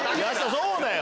そうだよ！